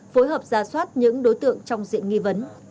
phối hợp ra soát những đối tượng trong diện nghi vấn